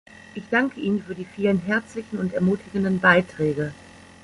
Ich danke Ihnen für die vielen herzlichen und ermutigenden Beiträge.